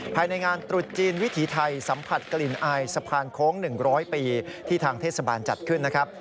ภายในงานตรุษจีนวิถีไทยสัมผัสกลิ่นอายสะพานโค้ง๑๐๐ปีที่ทางเทศบาลจัดขึ้นนะครับ